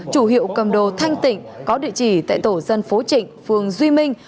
chủ hiệu cầm đồ thanh tịnh có địa chỉ tại tổ dân phố trịnh phường duy minh